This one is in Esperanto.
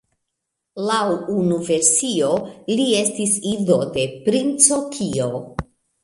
Laŭ unu versio li estis ido de Princo Kio.